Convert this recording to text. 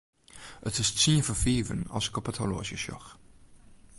It is tsien foar fiven as ik op it horloazje sjoch.